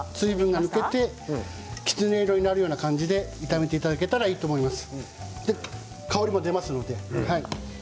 ごぼうは軽く水分が抜けてきつね色になるような感じで炒めていただければいいと思います。